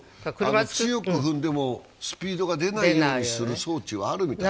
強く踏んでもスピードが出ないようにする装置はあるみたい。